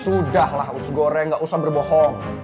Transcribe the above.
sudahlah us goreng gak usah berbohong